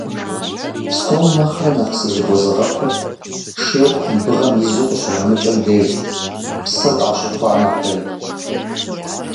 Псом нэхърэ нэхъ сызэгузыгъэпыр шейр кумбыгъэм изу къыщарамыкӏэм дежщ, псыр къащэхуа нэхъей.